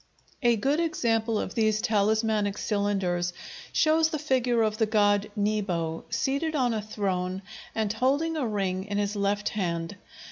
] A good example of these talismanic cylinders shows the figure of the god Nebo, seated on a throne and holding a ring in his left hand.